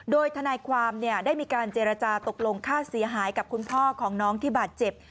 โดยทนายความได้มีการเจรจาตกลงค่าเสียหายกับคุณพ่อของน้องที่บาดเจ็บ